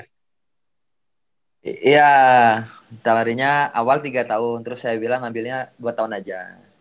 tengah harinya awal tiga tahun terus saya bilang ambilnya dua tahun aja